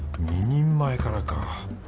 ２人前からか。